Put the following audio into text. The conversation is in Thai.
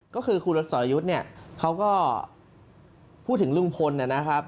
ก็คือคุณสอรยุทธ์เนี่ยเขาก็พูดถึงลุงพลนะครับ